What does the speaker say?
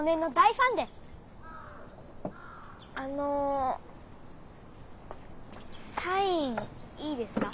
あのサインいいですか？